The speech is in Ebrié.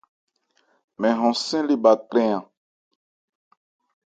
Mɛn hɔn-sɛ́n le bha krɛn an.